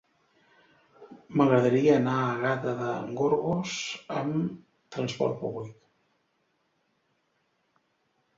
M'agradaria anar a Gata de Gorgos amb transport públic.